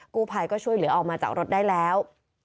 กู้ภัยก็ช่วยเหลือออกมาจากรถได้แล้ว